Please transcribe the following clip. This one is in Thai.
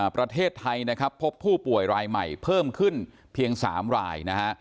ประเทศไทยพบผู้ป่วยรายใหม่เพิ่มขึ้นเพียง๓ราย